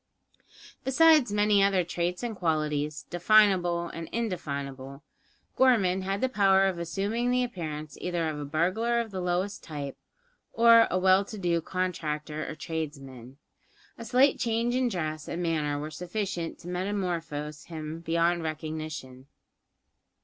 Besides many other traits and qualities, definable and indefinable, Gorman had the power of assuming the appearance either of a burglar of the lowest type, or a well to do contractor or tradesman. A slight change in dress and manner were sufficient to metamorphose him beyond recognition.